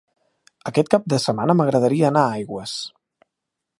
Aquest cap de setmana m'agradaria anar a Aigües.